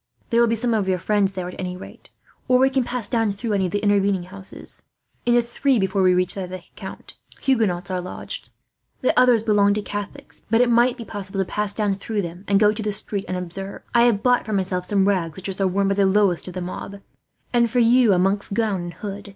There will be some of your friends there, at any rate. Or we can pass down through any of the intervening houses. In the three before we reach that of the count Huguenots are lodged. The others belong to Catholics, but it might be possible to pass down through them and to go into the street unobserved. "I have bought for myself some rags, such as are worn by the lowest of the mob; and for you a monk's gown and hood.